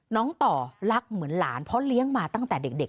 น้องต่อรักเหมือนหลานเพราะเลี้ยงมาตั้งแต่เด็ก